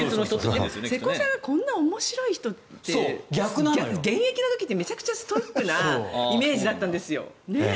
瀬古さんがこんな面白い人って現役の時ってめちゃくちゃストイックなイメージだったんですよ。